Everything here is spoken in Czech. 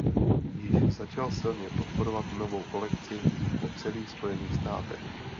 Již začal silně podporovat novou kolekci po celých Spojených státech.